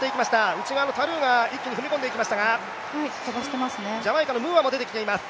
内側のタルーが一気に踏み込んでいきましたがジャマイカのムーアも出てきています。